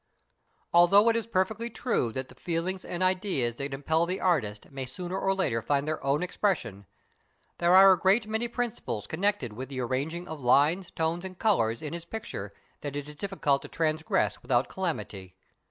Although it is perfectly true that the feelings and ideas that impel the artist may sooner or later find their own expression, there are a great many principles connected with the arranging of lines, tones, and colours in his picture that it is difficult to transgress without calamity.